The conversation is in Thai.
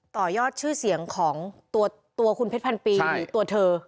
ต่อยอดชื่อเสียงของตัวคุณเพชรพันปีหรือตัวเธอ